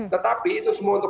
tetapi itu semua untuk